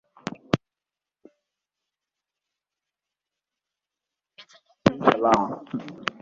Baada ya hapo aliuliza sehemu ya kuhifadhia kumbukumbu ya kamera za usalama